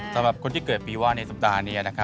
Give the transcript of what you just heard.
สำหรับคนที่เกิดปีว่าในสัปดาห์นี้